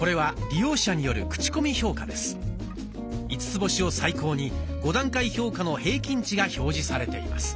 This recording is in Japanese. ５つ星を最高に５段階評価の平均値が表示されています。